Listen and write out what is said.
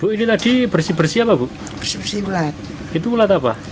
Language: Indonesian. itu ulat apa